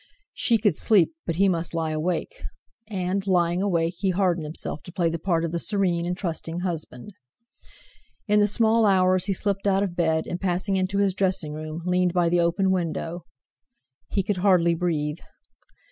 She could sleep, but he must lie awake. And, lying awake, he hardened himself to play the part of the serene and trusting husband. In the small hours he slipped out of bed, and passing into his dressing room, leaned by the open window. He could hardly breathe.